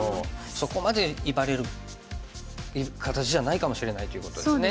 そこまで威張れる形じゃないかもしれないということですね。